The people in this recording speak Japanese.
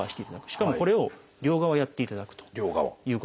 しかもこれを両側やっていただくということです。